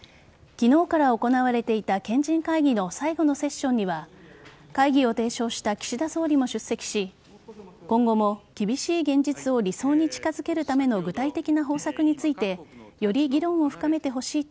昨日から行われていた賢人会議の最後のセッションには会議を提唱した岸田総理も出席し今後も厳しい現実を理想に近づけるための具体的な方策についてより議論を深めてほしいと